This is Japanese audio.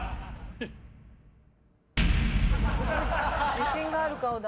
自信がある顔だ。